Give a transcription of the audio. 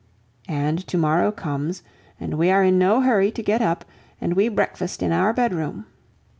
And to morrow comes, and we are in no hurry to get up, and we breakfast in our bedroom.